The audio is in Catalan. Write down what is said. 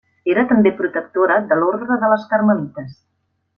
Era també protectora de l'ordre de les carmelites.